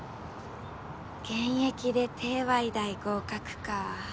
現役で帝和医大合格かぁ。